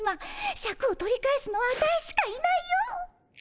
シャクを取り返すのはアタイしかいないよ。